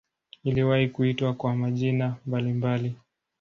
Iliwahi kuitwa kwa majina mbalimbali.